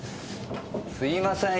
すいません